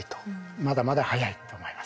まだまだ早いと思います。